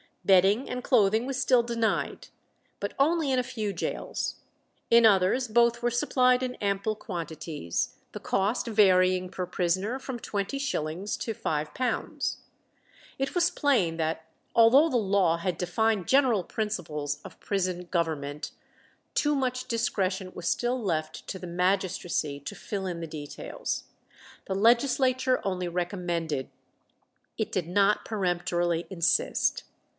Bedding and clothing was still denied, but only in a few gaols; in others both were supplied in ample quantities, the cost varying per prisoner from twenty shillings to five pounds. It was plain that although the law had defined general principles of prison government, too much discretion was still left to the magistracy to fill in the details. The legislature only recommended, it did not peremptorily insist.